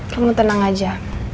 kamu tenang aja